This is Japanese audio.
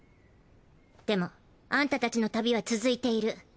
でもアンタたちの旅は続いている。